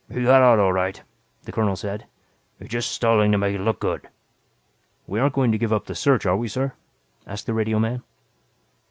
"He got out all right," the colonel said. "He's just stalling to make it look good." "We aren't going to give up the search are we, sir?" asked the radioman.